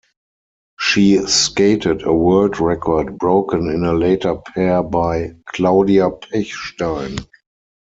She skated a world record broken in a later pair by Claudia Pechstein.